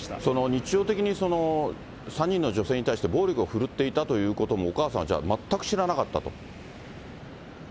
日常的に３人の女性に対し、暴力を振るっていたということも、お母さんはじゃあ、全く知らなかったと。